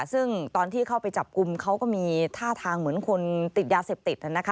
ซึ่งตอนที่เข้าไปจับกลุ่มเขาก็มีท่าทางเหมือนคนติดยาเสพติด